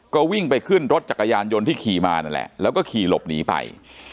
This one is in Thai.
ก็วิ่งไปขึ้นรถจักรยานยนต์ที่ขี่มานั่นแหละแล้วก็ขี่หลบหนีไป